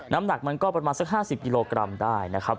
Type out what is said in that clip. น้ำหนักมันก็ประมาณสัก๕๐กิโลกรัมได้นะครับ